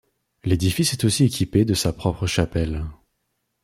L'édifice est aussi équipé de sa propre chapelle.